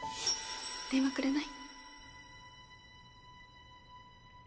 電話くれない？